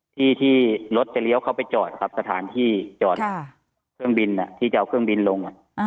ที่ที่รถจะเลี้ยวเข้าไปจอดครับสถานที่จอดเครื่องบินที่จะเอาเครื่องบินลง